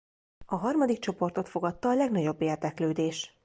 A harmadik csoportot fogadta a legnagyobb érdeklődés.